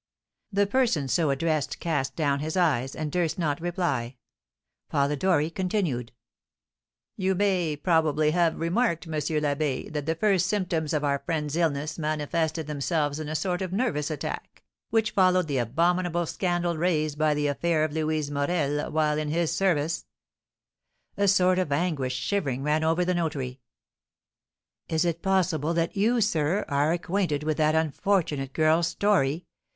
The person so addressed cast down his eyes, and durst not reply. Polidori continued: "You may probably have remarked, M. l'Abbé, that the first symptoms of our friend's illness manifested themselves in a sort of nervous attack, which followed the abominable scandal raised by the affair of Louise Morel, while in his service." A sort of aguish shivering ran over the notary. "Is it possible that you, sir, are acquainted with that unfortunate girl's story?"